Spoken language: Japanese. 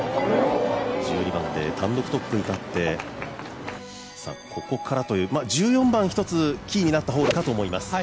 １２番で単独トップに立ってここからという、１４番一つキーになったホールかと思います。